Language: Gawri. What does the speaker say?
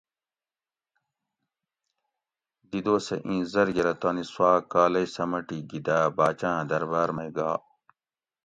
دی دوسہ اِیں زرگرہ تانی سوا کالئی سمٹی گی داۤ باچاۤں درباۤر مئی گا